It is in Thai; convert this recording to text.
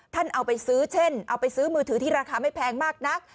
เอาไปซื้อเช่นเอาไปซื้อมือถือที่ราคาไม่แพงมากนัก